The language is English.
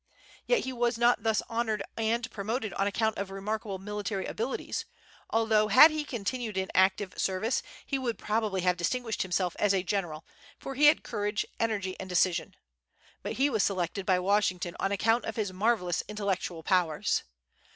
Yet he was not thus honored and promoted on account of remarkable military abilities, although, had he continued in active service, he would probably have distinguished himself as a general, for he had courage, energy, and decision; but he was selected by Washington on account of his marvellous intellectual powers.